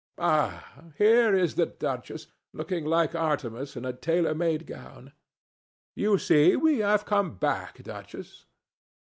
Ah! here is the duchess, looking like Artemis in a tailor made gown. You see we have come back, Duchess."